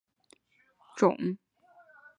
长尖明叶藓为树生藓科明叶藓属下的一个种。